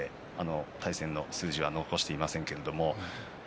対戦の数字は残していません。